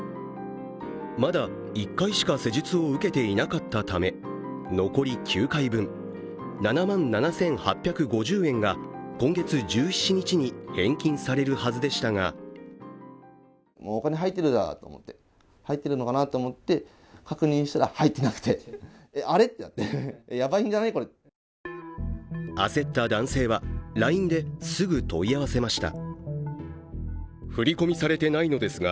まだ１回しか施術を受けていなかったため残り９回分、７万７８５０円が今月１７日に返金されるはずでしたが焦った男性は、ＬＩＮＥですぐ問い合わせました。